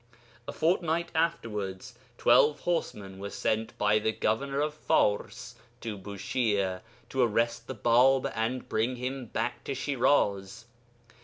A fortnight afterwards twelve horsemen were sent by the governor of Fars to Bushire to arrest the Bāb and bring him back to Shiraz.